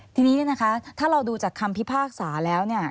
ทีนี้เนี่ยนะคะถ้าเราดูจากคำพิพากษาแล้วเนี่ย